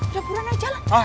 udah buruan aja lah